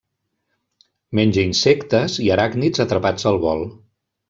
Menja insectes i aràcnids atrapats al vol.